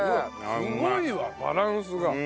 すごいわバランスが。